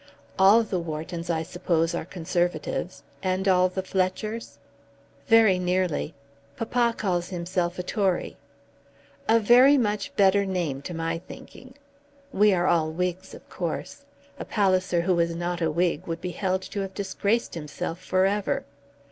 "All the Whartons, I suppose, are Conservatives, and all the Fletchers." "Very nearly. Papa calls himself a Tory." "A very much better name, to my thinking. We are all Whigs, of course. A Palliser who was not a Whig would be held to have disgraced himself for ever.